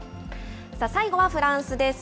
最後はフランスです。